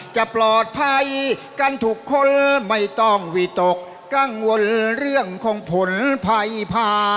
จะปลอดภัยกันทุกคนไม่ต้องวิตกกังวลเรื่องของผลภัยพา